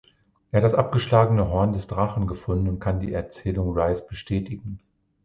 Er hat das abgeschlagene Horn des Drachen gefunden und kann die Erzählung Ruys bestätigen.